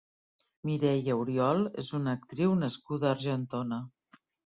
Mireia Oriol és una actriu nascuda a Argentona.